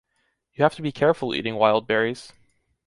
You have to be careful eating wild berries.